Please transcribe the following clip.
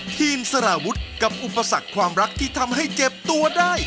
สารวุฒิกับอุปสรรคความรักที่ทำให้เจ็บตัวได้